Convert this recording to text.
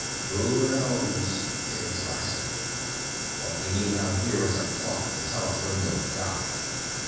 "Who knows?" It was Lasser. "What we need out here is a clock to tell us when we'll die."